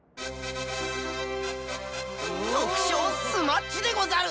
特賞スマッチでござる！